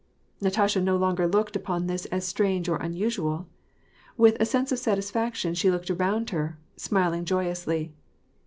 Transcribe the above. Katasha no longer looked upon this as strange or unusual. With a sense of satisfaction she looked around her, smiling joyously.